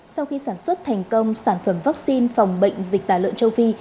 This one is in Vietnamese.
sau khi sản xuất thành công sản phẩm vaccine phòng bệnh dịch tả lợn châu phi